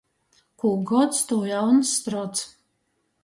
Kū gods, tū jauns strods.